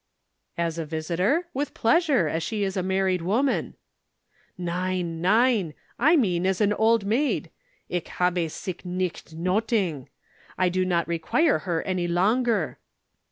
"As a visitor? With pleasure, as she is a married woman." "Nein, nein. I mean as an old maid. Ich habe sic nicht nöthig. I do not require her any longer."